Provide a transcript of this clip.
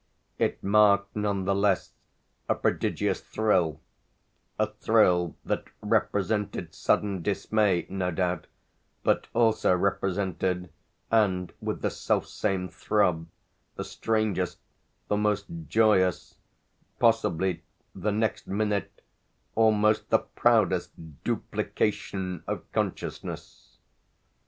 It marked none the less a prodigious thrill, a thrill that represented sudden dismay, no doubt, but also represented, and with the selfsame throb, the strangest, the most joyous, possibly the next minute almost the proudest, duplication of consciousness.